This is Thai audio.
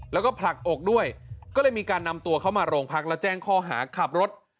แล้วก็ผลักอกด้วยก็เลยมีการนำตัวเข้ามาโรงพักแล้วแจ้งข้อหาขับรถ